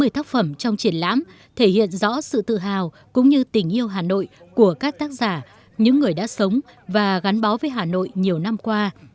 sáu mươi tác phẩm trong triển lãm thể hiện rõ sự tự hào cũng như tình yêu hà nội của các tác giả những người đã sống và gắn bó với hà nội nhiều năm qua